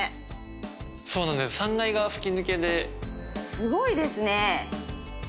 すごいですね。